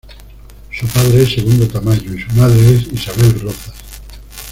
Su padre es Segundo Tamayo, y su madre es Isabel Rozas.